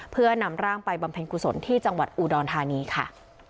เพื่อนำร่างไปบำเพ็ญกุศลที่จังหวัดอุดรธานีค่ะ